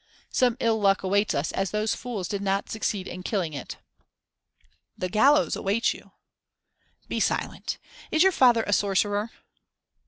"Some ill luck awaits us as those fools did not succeed in killing it." "The gallows awaits you." "Be silent! Is your father a sorcerer?"